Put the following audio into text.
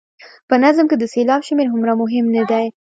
په نظم کې د سېلاب شمېر هغومره مهم نه دی.